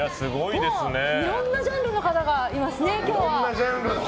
いろんなジャンルの方がいますね、今日は。